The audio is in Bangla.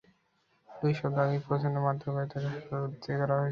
দুই সপ্তাহ আগেও প্রচণ্ড মারধর করায় তাঁকে হাসপাতালে ভর্তি করা হয়েছিল।